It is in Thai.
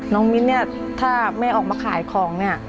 มิ้นเนี่ยถ้าแม่ออกมาขายของเนี่ย